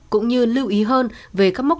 cũng như lưu ý hơn về các mốc